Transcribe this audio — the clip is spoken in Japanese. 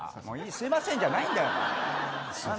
すいませんじゃないんだよ。